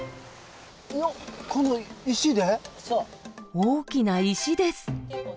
大きな石です。